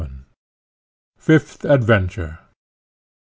Fifth Adventure.